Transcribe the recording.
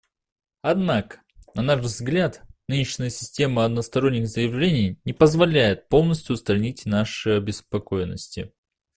Однако, на наш взгляд, нынешняя система односторонних заявлений не позволяет полностью устранить наши обеспокоенности.